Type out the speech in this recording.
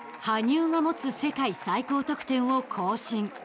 羽生が持つ世界最高得点を更新。